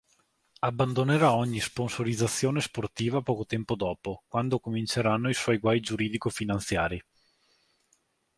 Abbandonerà ogni sponsorizzazione sportiva poco tempo dopo, quando cominceranno i suoi guai giuridico-finanziari.